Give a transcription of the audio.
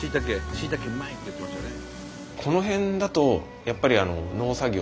しいたけうまいって言ってましたよね。